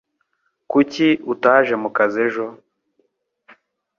Kuki utaje mu kazi ejo?